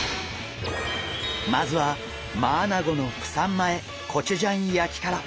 まずはマアナゴのプサン前コチュジャン焼きから！